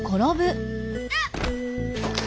あっ。